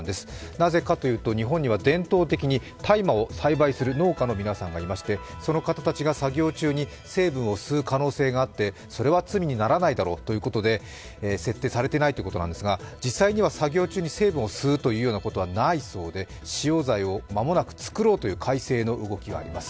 なぜかというと、日本には伝統的に大麻を栽培する農家の皆さんがいましてその方たちが作業中に成分を吸う可能性があってそれは罪にならないだろうということで設定されていないということなんですが、実際には作業中に成分を吸うというようなことはないそうで、使用罪を間もなく作ろうという改正の動きがあります。